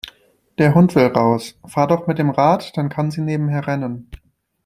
Der Hund will raus. Fahr doch mit dem Rad, dann kann sie nebenher rennen.